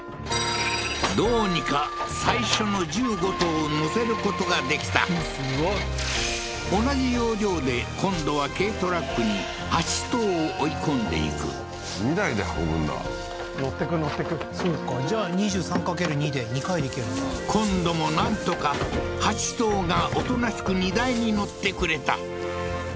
どうにか最初の１５頭を乗せることができたすごい同じ要領で今度は軽トラックに８頭を追い込んでいく２台で運ぶんだそうかじゃあ２３掛ける２で２回でいける今度もなんとか８頭がおとなしく荷台に乗ってくれた